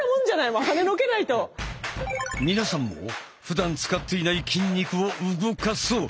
皆さんも普段使っていない筋肉を動かそう！